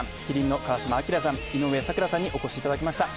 麒麟の川島明さん井上咲楽さんにお越しいただきました